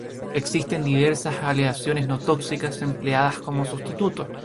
Existen diversas aleaciones no tóxicas empleadas como sustituto.